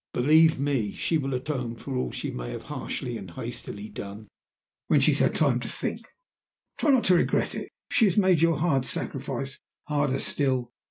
"Believe me, she will atone for all that she may have harshly and hastily done when she has had time to think. Try not to regret it, if she has made your hard sacrifice harder still.